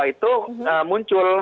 nah itu muncul